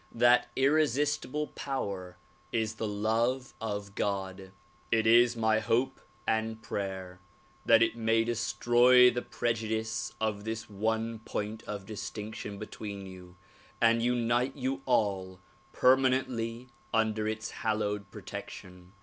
That irresistible power is the love of God. It is my hope and prayer that it may destroy the prejudice of this one point of distinction between you and unite you all per manently undei' its hallowed protection.